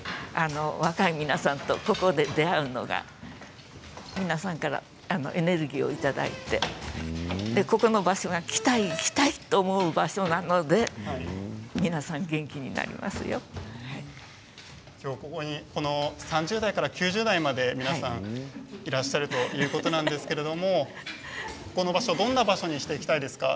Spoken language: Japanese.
若い皆さんとここで出会うのが皆さんからエネルギーをいただいてここの場所が来たい、来たいと思う場所なので３０代から９０代まで皆さん、いらっしゃるということなんですけれどもこの場所をどんな場所にしていきたいですか。